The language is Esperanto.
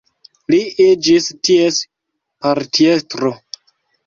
Li iĝis ties partiestro.